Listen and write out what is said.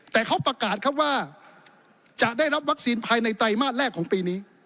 แต่เขาประกาศครับว่าจะได้รับวัคซีนภายในไตรมาสแรกของปีนี้